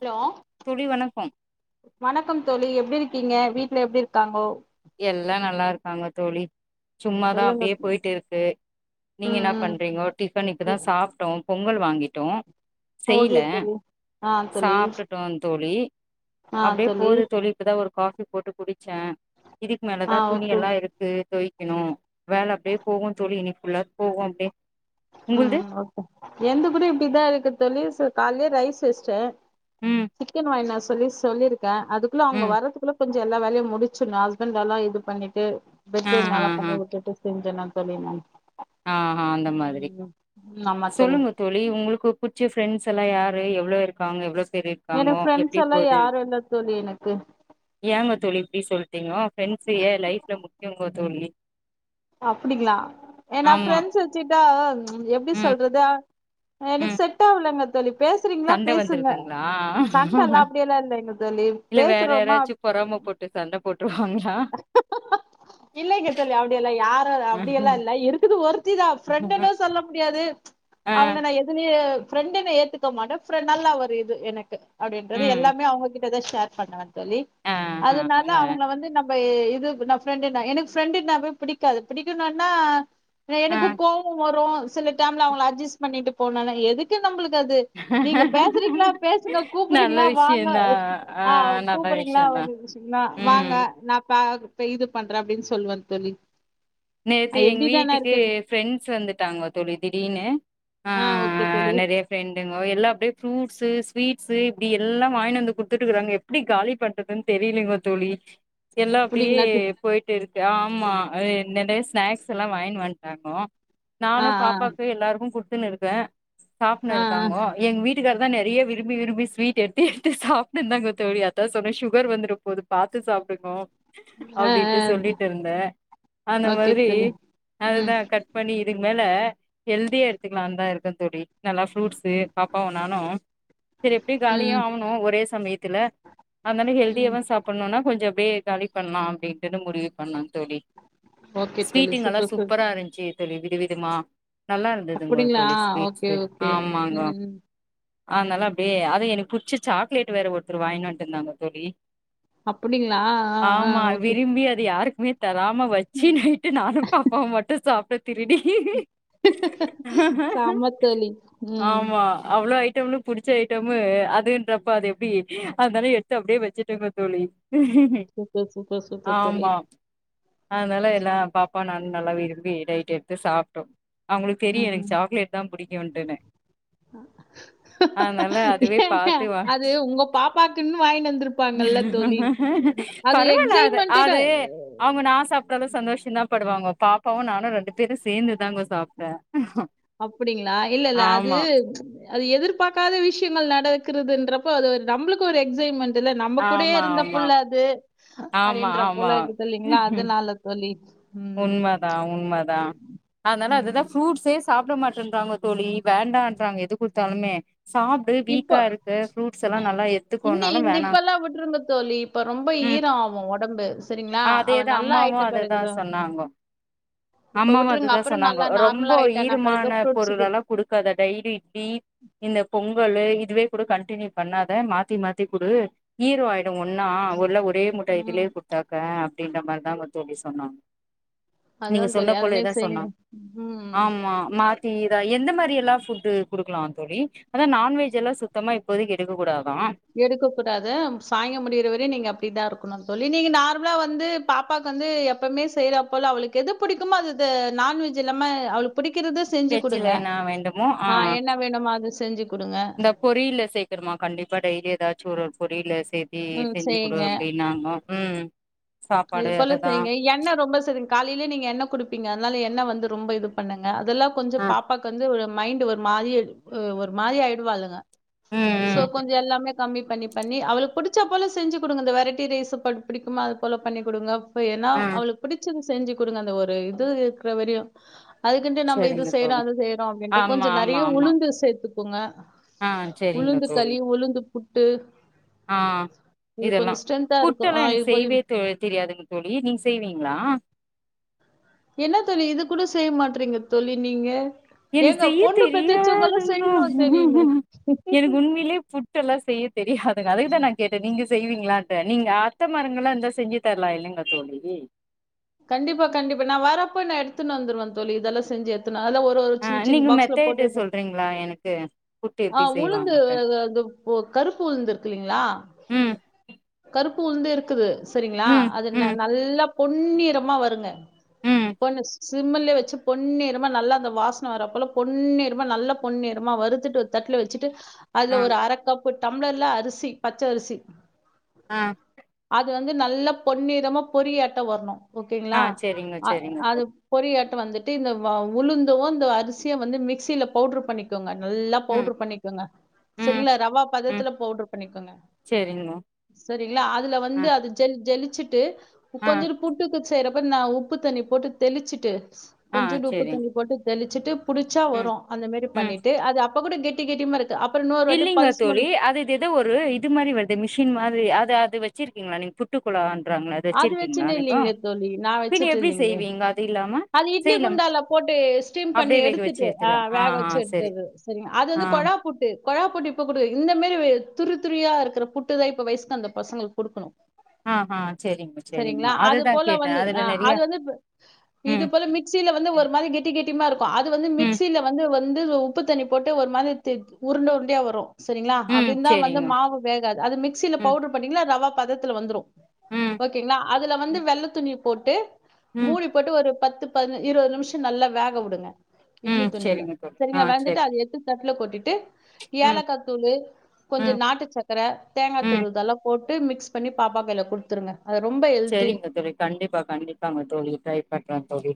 Hello தோழி வணக்கம் வணக்கம் தோழி எப் எப்டி இருக்கீங்க வீட்ல எப்டி இருக்காங்கோ எல்லாம் நல்லா இருக்காங்க தோழி சும்மாதா சொல்லுங்க அப்படியே போயிட்டு இருக்கு நீங்க என்ன ம் பண்றீங்கோ டிபன் இப்பதா ம் சாப்பிட்டோம் பொ ங்கல் வாங்கிட்டோம் செய்யல ஓகே தோழி ஆ தோழி சாப்பட்டுட்டோம் தோழி அப்படியே போகுது தோழி இப்ப தா ஒரு காபி போட்டு குடிச்ச இதுக்கு மேல தா ஆ துணி ஓகே எல்லாம் எடுத்து தொய் இன்னும் வேல அப்படியே போகும் சொல்லி இனி ஃபுல்லா போகும் அப்படியே உம் ஓகே எந்த கூட இப்படிதா இருக்கும் தோழி காலலேயே ரைஸ் வெஞ்சிட்ட ம் சிக்கன் வாய்னாஸ் சொல்லி சொல்லிருக் அத அவங்க ம் வரதுக்குள்ள கொஞ்ச எல்ல வேலையும் முடிச்சு ஹஸ்பண்ட எல்லாம் இது பண்ணிட்டு பெட் ஆ பெட் ஆ நல்லா பண்ணி வுட்டுட்டு செஞ் என்ன தோழில் மேம் ஆஹ் அ அந்த மாதிரி சொல்லுங்க தோழி உங்களுக்கு புடிச்ச ஃபிரண்ட்ஸ் எல்லா யாரு இவ்ளோ இருக்காங்க எவ்ளோ இருக்காங்க எனக்கு ஃப்ரெண்ட்ஸ் எப்படி எல்லா போது யாரு இல்ல தோழி எனக்கு ஏங்க தோழி இப்டி சொல்ட்டீங்கோ பிரண்டஸ் ஏ லைப்ல முக்கியங்க தோழி அப்படிங்களா ஏனா ஆமா பிரெண்ட்ஸ் வச்சுட்டா எப்டி ம் சொல்றது எனக்கு ம் செட் ஆகலங்க தோழி பேசுறீங்களா சண்ட பேசுங்க வந்துருதுங்ளா சண்டல்லா அப்படியெல்லா இல்லங்க தோழி இல்ல வேற பேசுறோமா யாராச்சு பொறாம போட்டு சண்ட போட்ருவாங்ளா இல்லலை கேத்தலி அப்படிய எல்லாம் யாரும் ஆ அப்படியெல்லாம் இல்லங்க தோழி அப்டியெல்லா யாரு அப்டியெல்லா இல்ல இருக்குது ஒருத்தி தா ப்ரெண்டனு சொல்ல முடியாது அவங்கள நா எதுலேயு ப்ரெண்டுன்னு ஏத்துக்க மாட்ட நல்லா ஒரு இது எனக்கு அப்படின்றது ம் எல்லாமே அவங்க இருந்தா ஷேர் பண்ணவ தோழி ஆ ஆ அதனால நா அவங்கள வந்து நம் இது நா ப்ரெண்ட்னா எனக்கு ஃப்ரெண்டு்னாவே பிடிக்காது பிடிக்கணுன்னா ஆ எனக்கு கோபம் வரும் சில டைம்ல அவங்கள அஜஸ்ட் பண்ணிட்டு போனுன எதுக்கு நம்மளுக் நீங்க பேசுறீங்களா பேசுங்க நல்ல கூப்பறீங்களா வாங்க விஷ்யந்தா ஆ நல்ல கூப்பறீங்களா விஷ்யந்தா வாங்க ம் ந இப்ப இது பண்ற அப்படின்னு சொல்லுவன் தோழி நேத்து எங் எப்டிதானே வீட்டுக்கு இருக்கு எ ஃப்ரெண்ட்ஸ் வந்துட்டாங்க தோழி திடீர்னு ஆ ஓகே ஆஹ் தோழி நெறைய ஃப்ரெண்டுங்க எல்லா அப்டியே ஃப்ரூட் சு ஸ்வீட்ஸ்ஸு இப்டி எல்லா வாங்கினு வந்து குடுத்துட்டு வராங்க எப்டி காலி பண்றதுன் தெரியலைங்க தோழி எல்லா அப்டியே புடிங்களா போயிட்டு இருக் எ ஆமா நெறைய ஸ்நாக்ஸ் எல்லா வாங்கினு வந்ட்டாங்க ஆ நானு பாப்பாக்கு எல்லாருக்கு குட் த்துன்னு இருக்கே சாப்ட்னு ஆ ஆ இருக்காங்க எங் வீட்டுக்காரு லா நெறைய விரும்பி விரும்பி ஸ்வீட் எட்த்து து சாப்ட்ருதாங்க தோழி அதா சொன்னே ஷூகர் வந்துரப்போது பாத்து சாப்ட்டுக்கோனு ஆ ஆ அப்டிட்டு சொல்லிட்டு இருந்தே அந்த ஓகே மாதிரி தோழி ம் அதுதா கட் பண்ணி இருந்தாலு ல்ல ஹெல்தியா எடுத்துக்லாந் தா இருக்கு தோழி நல்லா ஃப்ரூட்ஸு பாப்பாவு நானு செரி எப்டியு காலியு ம் ஆகணு ஒரே சமயத்துல அந்தண்ணே ம் ஹெல்தியாதா சாப்டணுனா கொஞ்ச அப்டியே காலி பண்லா அப்டின்ட்டுதா முடிவே பண்ண தோழி ஓகே தோழி ஸ்வீட்டுங்களா சூப்பர் சூப் சூப்பரா இருந்ச்சு தோழி வித விதமா நல்லா இருந்ததுங்ளா அப்டிங்களா தோழி ஓகே ஸ்வீட்ஸ்சு ஓகே ஆமாங்க ம் ம் அதனால அப்டே அதே எனக்கு புட்ச்சு சாக்லேட் வேற ஒருத்தர் வாங்கினு வந்துர்ந்தாங்க தோழி அப்டிங்ளா ஆஹ் ஆஹ் ஓகே நீ தரா ம வச்சு நைட்டு நானு பாப்பாவு மட்டு சாப்ட்டோ திருடி சாமத் தோழி உம் எவ்ளோ புடிச்ச ஐட்டமு அதுன்றப்ப அது எப்டி அதுனால எட்த்து அப்டே வெச்சுட்டு வந்தே தோழி சூப்பர் சூப்பர் சூப்பர் தோழி ஆமா அதனால எல்லா பாப்பா நானு நல்லா விரும்பி நை ட்டு எப்ப சாப்ட்டோ அவ்ங்களுக்கு தெரியு ம் எனக்கு சாக்லேட் தா புடிக் கு அப்டினு அதுவே ஏங்க பாத்து வா அது உங்க பாப்பாக்குன் வாய்ன்டு வந்திருப்பாங்கல்ல தோழி அது பரவால்ல எக்ஸைட்மெண்ட்டுதா நல்லா சந்தோஷமா பாடுவாங்க பாட் பவ நானும் ரெண்டு பேரும் சேந்து தாங்க சாப்ட்ட அப்டிங்களா இல்ல இல்ல அது அது எதிர்பார்க்காத விஷ்யங்கள் நடக்கதுன்றப்ப அது ஒரு நம்மளுக்கு ஒரு எக்ஸைட்மெண்ட் இல்ல நம்ம கூடயே ஆமா, ஆமா, இருந்தப்புள்ள அது ஆமா, அப்டின்ற ஆமா. போல இருக்குது இல்லைங்களா அது நால தோழி ம். உண்மதான் உண்ம தான் அதனால ம். அதுதான் ஃப்ரூட்ஸே சாப்பிட மாட்டேன்றாங்க தோழி வேண்டான்றாங்க எது கொடுத்தாலுமே இப்போ நல்லா இன்னி எத்துக்கோனாலும் இந்த வேணாம். இப்பெல்லா விட்டுருங்க தோழி இப்ப ரொம்ப ம் ஈரம் ஆகும் உடம்பு சரிங்களா அவ நல்லாயிட்ட பிறகுத சொன்னாங்க அம்மாவும் விட்டுருங்க. அதுதான் அப்புறம் சொன்னாங்க நல்லா ரொம்ப நார்மலா ஆயிட்டானா பிறகு ஈரமான ஃப்ரூட்ஸ் குடு பொருளல்லாம் கொடுக்காத தயிர் இட்லி இந்த பொங்கல இதுவே கூட கண்டியூ பண்ணாத மாத்தி மாத்தி குடு ஈரோ ஆய ஒன்னா ஒருல ஒரே முட்ட ம். இதுலயே கொடுத்தாக்க அப்படின்ற மாதிரிதாங்க தோழி சொன்னாங்க நீங்க அதான் சொன்ன தெரியும் அதுமாரி போலயேதா செய்யுங்க சொன்னாங்க உம் ஆமா மாத்தி எந்த மாரி எல்லாம் புட்டு் குடுக்கலாம் தோழி அதா நான்வஜ் எல்லாம் சுத்தமா இப்போதக்கு எடுக்க கூடாது எடுக்க கூடாது சாங்கியம் முடியறவரையும் நீங்க அப்டிதா இருக்கும் சொல்லி நீங்க நார்மலா வந்து பாப்பாக்கு வந்து எப்பவுமே செய்யற போல அவளுக்கு எது புடிபுடிக்குமோ அது நான்வெஜ் இல்லாம அவளுக்கு புடிக்கிறத செஞ்சு குடுங்க வெஜ்ஜல என்ன வேண்டுமோ ஆ ஆஹ் என்ன வேணுமோ அது செஞ்சு குடுங்க இந்த பொரியல் சேக்கணுமா கண்டிப்பா டெய்லி ஏதாச்சு ஒரு ஒரு பொரியல டெய்லி ம் செஞ்சு குடு செய்யுங்க அப்டின்னாங்க ம் இது சாப்பாடு போல அதுதா செய்ங்க, எண்ண ரொம்ப சரிங்க காலைலியே நீங்க என்ன குடுப்பிங்க அதனால எண்ண வந்து ரொம்ப இது பண்ணுங்க அதெல்லா கொஞ்ச ஆ பாப்பாக்கு வந்து ஒரு மைண்டு ஒரு மாரி ஒரு மாரி ஆயிடுவா இல்லங்க சோ ம் ம் கொஞ்ச எல்லாமே கம்மி பண்ணி பண்ணி அவளுக்கு புடிச்சா போல செஞ்சு கொடுங்க இந்த வெரைட்டி ரைஸ் ப பிடிக்குமா ஃபாலோ பண்ணி குடுங்க இப்ப என்னா ஆ அவுளுக்கு புடிச்சது செஞ்சு குடுங்க அந்த ஒரு இது இருக்கற வரையும் அதுக்குன்னுடு நம்ம இது சரிங்க செய்யறோம் தோழி அது செய்யறோம் அப்பிடின்னுட்டு ஆமா கொஞ்சம் நறைய ஆமா ஆமா உளுந்து சேத்து புங்க ஆ சரிங்க தோழி உளுந்துக்களி உளுந்து புட் ட்டு ஆ இதெல்லா இருக்கு புட்டெல்லா ஆ இது எனக்கு போய் செய்வே தெ தெரியாதுங்க தோழி நீங் செய்வீங்களா என்ன தோழி இது கூட செய்ய மாட்றீங்க தோழி நீங்க எனக் ஏங்க செய்யத் பொண்ணு பெத்தெச்சவங்கல்லா தெரியாதுங்கோ செய்யணு தெரியுமே எனக் உண்மையிலே புட்டெல்லா செய்யத் தெரியாதுங்க அதுக்குதா நா கேட்டே நீங்க செய்வீங்களான் அ நீங்க அத்த மறங்களா இருந்தா செஞ்சு தரலால்லைங்க தோழி கண்டிப்பா கண்டிப்பா நா வரப்போ நா எடுத்துன்னு வந்துருவ தோழி இதெல்லா செஞ்சு எத் ஆ நீங்க மெத்தேடு சொல்றீங்களா எனக்கு புட்டு எப்டி ஆஹ் உளுந்து செய்வாங்கன்ட்டு அ தப்போ கருப்பு உளுந்து இருக்குலீங்களா ம் கருப்பூலந்தே இருக்குது செரிங்களா ம் அது ந ம் நல்ல பொன்னிரமா வறுங்க ம் போனஸ் சிம்மல வச்சு பொன்னிரமா நல்லா அந்த வாசனை வர போல பொன்னிரமா நல்ல பொன்னிரமா வருத்துட்டு தட்டுல வச்சிட்டு அதுல ஆ ஒரு அரக்கப்பு டம்ளர்ல அரி சி பச்சரிசி ஆஹ் வந்து நல்ல பொன்னிமா பொறியாட் டு வரணு ஓகேங்களா ஆ சரிங்க சரிங்க அது தோழி பொறியாட்ட வந்துட்டு டி இந்த உளுந்தும் இந்த அரிசியும் வந்து மிக்சியில பவுடர் பண்ணிக்கோங்க நல்லா ம் பவுடர் பண்ணிக்கங்க ம் செரிங்களா ரவா ம் பதத்தில் பவுடர் பண்ணிக்கோங்க செரிங்க செரிங்களா அதுல ஆ வந்து அது ஜலிச்சுட்டு ட்டு ஆ கொஞ்சோரு புட்டுக்கு செய்ற அப்றம் நா உப்பு தண்ணி போட்டு தெளிச்சுட்டு ஆ கொஞ்சோண்டு உப்பு செரிங் தண்ணி போட்டு ஜலுச்சிட்டு புடிச்சா ம் வரும் அந்த மாரி பண்ணிட்டு அது அ ப்போ கூட கட்டி கட்டி மாக்கு இல்லலைங்க தோழி அது இது எதோ ஒரு இது மாதிரி வருது மிஷின் மாதிரி அது வச்சிருக்கீங்களா நீங் புட்டுக்குழாந் ங்கள அது வச்சிருக்கீங்களா வச்சுன்னு னிங்கோ இல்லீங்களே தோழி நான் பின்ன வச்சுட்டு எப்டி இல்லீங்களே செய்வீங்கோ அது இல்ல அது இட்லி குண்டால போட்டு ஸ்டீம் பண்ணி அப்டியே வேக வச்சு எடுத்துட்டு எடுத்துடுவ ஆஹ் ஆ வேக ஆ வச்சு செரி எடுத்தது சரிங்க அது ஆ வந்து கொழாப்பூட்டு கொழாபுட்டு இப்ப குடு இந்த மாரி துரு துறரியா இருக்கிற புட்டுதா இப்ப வயசுக்கு அந்த பசங்களுக்கு கொடுக்கணு அ அ சேரிங்மா சேரிங்மா அது அதுதா போல கேட்ட வந்து அதுல ஆ அது நெறையா வந்து இது போல மிக்சீல வந்து ஒரு மாரி கெட்டி கெட்டி மா இரு இப்ப அது வந்து ம் மிக்சீல வந்து வந்து அதுல உப்பு தண்ணி போட்டு ஒரு மாரி த்து உருண்ட உருண்டயா வரு செரிங்ளா ம் அப்டின் தா வந்து செரிங்க மாவு வேகாது அது மிக்சீல ம் பவுடர் பண்ணீங்களா ரவா பதத்துல வந்துரும் ம் ஓகேங்களா அதுல வந்து ம் வெள்ள துணியப் போட்டு ம் மூடிப் போட்டு ஒரு பத்து பதின இருவது நிம்ஷோ நல்லா வேக உடுங்க இட்லி ம் துணில செரிங்க தோழி ஆ செரிங்க வந்துட்டு செரி அது [unintelligible] ல்ல கொட்டிட் டு ம் ஏலக்காத்தூளு கொஞ்சோ ம் நாட்டு சக்கர தேங்கா ம் துருதெல்லா போட் ட்டு மிக்ஸ் பண்ணி பாப்பா கைல குடுத்துருங்க அது ரொம்ப ஹெல்தி. சேரிங்க தோழி கண்டிப்பா கண்டிப்பாங்க தோழி ட்ரை பண் ன்றே தோழி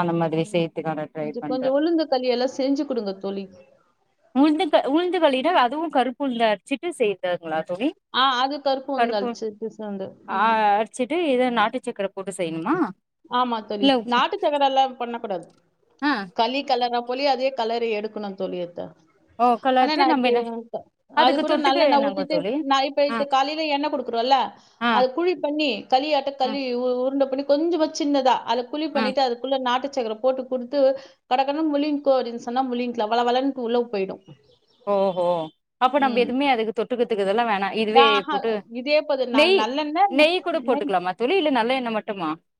அந்த மாதிரி சேத்துக்கா நா ட்ரை கொஞ்சம் பண்ற கொஞ்சம் உளுந்து களி எல்லாம் செஞ்சு குடுங்க தோழி. இதுவு கருப்புளுந்து அர்ச்சிட்டு செய்ற்தங்களா ஆ அது கருப்பு உளுந்து அறச்சது சேந்து ம் சீட்டு இ இது நாட்டு சக்கர போட்டு செய்யணுமா ஆமா தோழி இல்ல உப்பு நாட்டு சக்கர எல்லா பண்ணக்கூடாது. ஆ களி களற்ரா போலயே அதே களறி எடுக்குணு தோழி அத ஓ ஆனா கலர்ட்டு நா நம்ம என்ன இதுக்கு அது அதுக்கு கூட தொட்டுக்க நல்லெண்ண என்னங்க ஊத்திட்டு தோழி நா இப்ப ஆ இது காலைல எண்ண குடுக்குறோல்ல, ஆ அது குழி பண்ணி களியாட்டே ம் களி உருண்ட அப்டி கொஞ்சமா சின்னதா அத குழி ம் பண்ணிட்டு அதுக்குள்ள நாட்டு சக்கர போட்டு குடுத்து கட கடனு முழிங்கோ அப்டின்னு சொன்னா முழிங்க்ளா வள வளன்ட்டு உள்ள போய்டு. ஓஹோ அப்ப நம்ப எதுமே அதுக்கு தொட்டுக்கத்துக்கு இதெல்லா வேணா இதுவே ஆஹா போட்டு இதே போது நெய் நான் நல்லெண்ணெய் நெய் கூட நெய் போட்டுக்லாமா தோழி இல்ல நல்ல எண்ணெ மட்டு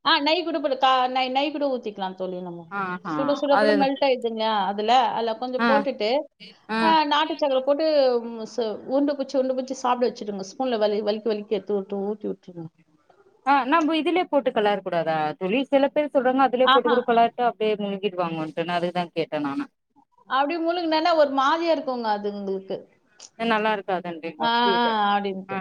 ஆ, நெய் கூட போடு கா ந ந நெய் கூட ஊத்திக்லா தோழி நம்ம. ஆஹா சுட அது சுடப்போட்ட மெல்ட் ஆய்டுது இல்லையா துல அதுல கொஞ்சோ ஆ போட்டுட்டு ஆ அ நாட்டு சக்கர போட்டு சோ உர்ண்ட புச்சி உண்ட புச்சி சாப்ட வெச்சுடுங்க. ஸ்பூன்ல வலி வலிக்கி வலிக்கி எத்து உட்டு ஊட்டி உட்ருங்க. ஆஹ் நம்போ இதுலே போட்டு களர் கூடாதா தோழி சில பேர் சொல்றாங்க அதுலே போட்டு ஆஹா கூட களர்ட்டு அப்டியே முழுங் கீர்வாங்கன்டு நா அதுக் தா கேட்ட நானு அப்டி முழுங்னாலே ஒரு மாரியா இருக்குங்க அது உங்கள்க்கு ஏ நல்லாருக்காதுன்றீங்களா புரீல அப்டின்ட்டு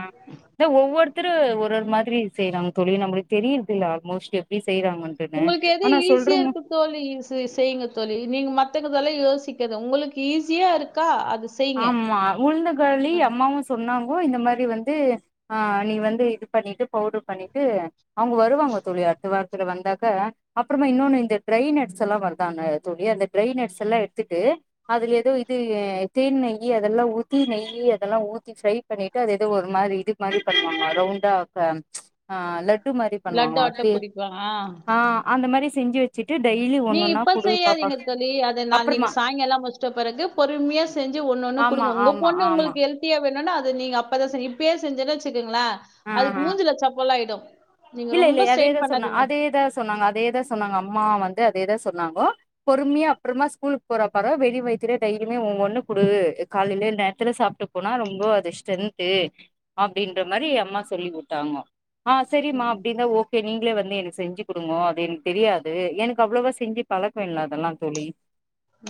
தே ஒவ்வொரு த்ரு ஒரு ஒரு மாதிரி செய்யறாங் தோழி நம்மளுக் தெரீர்தில்ல ஆல்மோஸ்ட் எப்டி செய்யறாங்கன்ட்டுன்னு உங்ளுக்கு எது ஆனா ஈஸியா சொல்றவங்க இருக்கு தோழி ஈசு செய்ங்க தோழி நீங்க மத்த தெல்லா யோசிக்காத உங்களுக் ஈஸியா இருக்கா அத் ஆமா உளுந்த களி அம்மாவு சொன்னாங் கோ இந்த மாரி வந்து ஆஹ் நீங் வந்து இது பண்ணிட்டு பவுடர் பண்ணிட்டு அவங்க வருவாங்க தோழி அடுத்த வாரத்துல வந்தாக்க அப்பறமா இன்னோன்னு இந்த டிரை நட்ஸ் எல்லா வர்தாங்க தோழி அந்த டிரை நட்ஸ் எல்லா எடுத்துட்டு அதுலெதோ இது தேன் நெய்யி அதெல்லா ஊத்தி நெய்யி அதெல்லா ஊத்தி ஃப்ரை பண்ணிட்டு அது எதோ ஒரு மாரி இது மாரி பண்ணுவாங்க ரவுண்டா ப்ப அ லட் டு மாரி லட்டு பண்ணுவாங்களா ஆட்ட அது புடிக்கு வச்சுட்டு டெய்லி நீ ஒன்னொன்னா இப்ப குடு செய்யாதீங்க பாப்பாக்கு தோழி அது நா நீங்க அப்புறமா சாய்ங்காலோ முட்ச்சிட்ட பெறகு பொறுமையா செஞ்சு ஒன்னொன்னு ஆமா குடுங்க உங்க ஆமா பொண்ண ஆமா உங்கள்க் ஹெல்த்தியா வேணுன்னா அது நீங்க அப்பதா செய்ய இப்பயே செஞ்சேன்னா வெச்சி ங்களா ஆ அதுக்கு ஆ மூஞ்சில அட்ச்சா போல ஆயிடு இல்ல இல்ல அதே தா சொன்னா அதே தா சொன்னாங்க அதே தா சொன்னாங்க அம்மா வந்து அதே தா சொன்னாங்கோ பொறுமையா அப்றமா ஸ்கூலுக் போறப்ப தா வெரு வய்த்துலே டெய்லிமே ஒவ்வொன்னு குடு அ காலைல நேர்த்துல சாப்ட்டு போனா ரொம்ப அது ஸ்ட்ரென்த்து அப்படின்ற மாரி அம்மா சொல்லி வுட்டாங்க ஆஹ் சரிம்மா ம் ஓகே நீங்களே வந்து எனக் செஞ்சு குடுங்கோ அது எனக் தெரியாது எனக் அவ்வளவா செஞ்சு பழக்கோ இல்ல அதெல்லா தோழி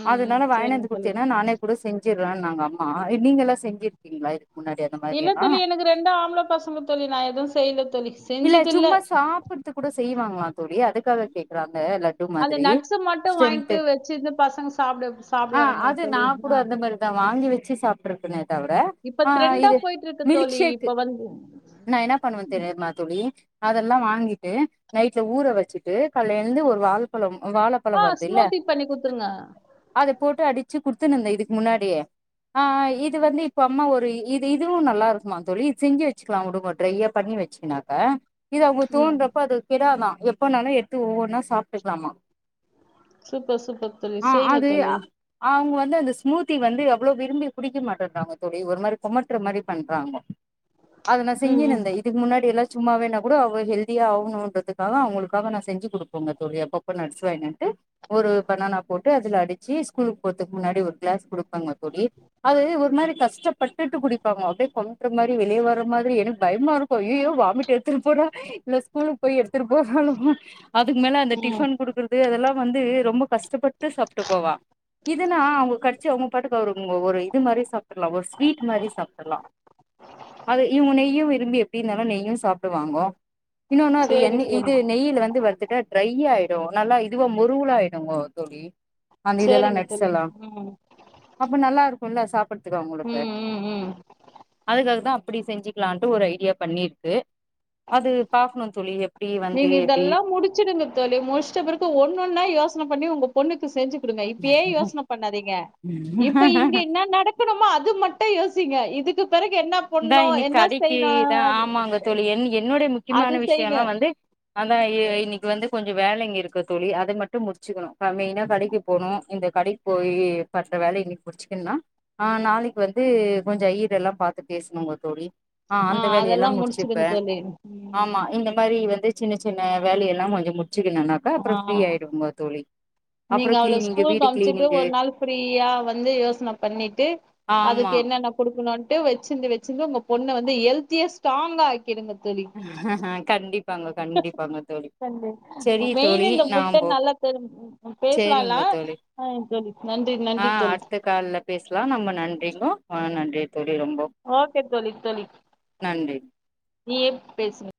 ம் அதுனால சரிங்க வாங்கினுவந்து தோழி குடுத்தீன்னா நானே கூட செஞ்சு ருவேனாங்க அம்மா இத் நீங்கல்லா செஞ்சிர்க்கீங்ளா இல்ல தோழி எனக்கு ரெண்டு ஆம்பள பசங்க தோழி நா எது செய்யல தோழி இல்ல செஞ்சுது சும்மா சாப்பட்துக் கூட செய்வாங்களா தோழி அதுக்காக கேக்கறாங் அந்த நட்ஸு மட்டு வாங்ட்டு வெச்சுர்ந்து பசங்க சாப்ட வெப் ஆ சாப்டுவானுங்க தோழி ஆஹ் ச்சு சாப்ட்றக்கனே தவர நா போயிட்டு இருக்கு தோழி இப்ப வந்து என்ன பண்ணுவே தெரியிமா தோழி அதெல்லா வாங்கிட்டு நைட்ல ஊற வச்சிட்டு கால்ல எழுந்து ஒரு வாழ் பழம் அ வாழப்பழோ ஆ வருதில்ல ஸ்மூத்தி பண்ணி குடுத்துருங்க அத போட்டு அடிச்சு குடுத் எத்துனு வந்த இதுக்கு முன்னாடி ஆஹ் ஆ இது வந்து இப்ப அம்மா ஒரு இ இது இதுவு நல்லாருக்குமா தோழி இது செஞ்சு வச்சுக்கலா [unintelligible] ட்ரையா பண்ணி வெச்சிக்கினாக்க இது அவங்க ம் தோன்றப்ப அது கெடாதா எப்பனாலு எடுத்து ஒவ்வொன்னா சாப்ட்டுக்கலாமா சூப்பர் சூப்பர் தோழி ஆ செய்ங்க அது தோழி அவங்க வந்து அந்த ஸ்மூத்தி வந்து அவ்ளோ விரும்பி குடிக்க மாட்டேறாங்க தோழி ஒரு மாரி கொமட்ற மாரி பண்றாங்க அது நா ம் செஞ்சின்னு ம் இருந்தே இதுக்கு முன்னாடி எல்லா சும்மாவே நா கூட அவளோ ஹெல்தியா ஆவணுன்றதுக்காக அவங்களுக்காக நா செஞ்சு குடுப்பங்க தோழி அப்பப்போ நட்ஸ் வாங்கினு வன்ட்டு ஒரு பனானா போட்டு அதில அடிச்சு ஸ்கூலுக்கு போகறதுக்கு முன்னாடி ஒரு கிளாஸ் குடுப்பங்க தோழி அது ஒரு மாரி கஷ்டப்பட்டுட்டு குடிப்பாங்க அப்டியே கொமட்ற மாரி வெளியே வர மாதிரி எனக்கு பயமாருக்கு ஐயோயோ வாமிட் எ [unintelligible] போற இல்ல ஸ்கூலுக்கு போயி எடுத் த்துறப்போறாலோன்னு அதுக்கு மேல அந்த ம் டிஃபன் கொடுக்குறது அதெல்லா வந்து ரொம்ப கஷ்டப்பட்டு சாப்ட்டு போவா இதுனா அவங்க காடிச்சு அவங்கப்பாட்டுக்கு [unintelligible] அவுங்க ஒரு இது மாரி சாப்ட்டுறலா ஒரு ஸ்வீட் மாரி சாப்ட்டுறலா அது இவுங்க நெய்யு விரும்பி எப்டிருந்தாலு நெய்யு சாப் ட்ருவாங்கோ இன்னொன்னும் அது சேரி எண்ணி தோழி இது நெய்யில் வந்து வருது ட்ரைய ஆய்டு நல்லா இதுவ மொருவுலாய்டுங்கோ தோழி அந்த இதல்லா சேரிங்க தோழி நட்ஸ்சல்லா ம் அப்ப நல்லா இது ஃபுல்லா சாப்பறதுக்க அவுங்களுக்கு ம் ம் ம் அதுக்காகா தான் அப்பிடி செஞ்சுிக்கலான்னுட்டு ஒரு ஐடியா பண்ணிருக்கு அது பாக்கணும் தோழி எப்டி வந்து நீங்க எப்டி இதெல்லா முடிச்சுடுங்க தோழி முடிச்சிட்ட பிறகு ஒன்னொன்னா யோசன பண்ணி உங்க பொண்ணுக்கு செஞ்சு குடுங்க இப்பேயே யோசனை பண்ணாதீங்க இப்ப இங்க என்னா நடக்கணுமோ அது மட்டும் யோசிங்க இதுக்கு பிறகு என்ன இதா பண்ணு இன்னிக்கு என்ன கடைக்கு செய்யணு இதான் ஆமாங்க தோழி என் என்னுடைய முக் அது முக்கியமான விஷயம் செய்ங்க எல்லாம் வந்து அதான் இன்னிக்கு வந்து கொஞ்சம் வேலைங்க இருக்கு தோழி அத மட்டும் முடிச்சுக்கணும் ப மெயினா கடைக்கு போனோ இந்த கடைக்கு போய் மத்த வேல இன்னிக்கு முடிச்சுத்தனா ஆ நாளைக்கு வந்து கொஞ்சம் வீடெல்லா பா பேசணோங்க தோழி ஆ அந்த அதெல்லா வேலையெல்லாம் முடிச்சிடுங்க முடிச்சுப்பேன் தோழி ம். ஆமா இந்த மாரி வந்து சின்ன சின்ன வேலை எல்லாம் கொஞ்சம் மு ஆஹ் அப்றோ நீங்க அவள கிளீனிங்கு ஸ்கூல்க்கு வீடு அனுப்சுட்டு கிளீனிங்கு ஒரு நாள் ஃப்ரீயா வந்து யோசன பண்ணிட்டு ஆமா அதுக்கு என்னென்ன கொடுக்கணும் அப்டியே வச்சிருந்து வச்சிருந்து உங்க பொண்ண வந்து ஹெல்திய ஸ்ட்ராங்கா ஆக் கேளுங்க தோழி கண்டிப் செரி மெயினா தோழி இந்த முட்டை நாம்போ நல்ல தோழி செரிங்க பேசலலா தோழி ல சொல்லி நன்றி ஆ நன்றி தோழி அடுத்த கால்ல பேசலா நம்ம நன்றிங்கோ ஆ நன்றி தோழி ரொம்போ ஓகே தோழி தோழி நன்றி நீ பேசுங்க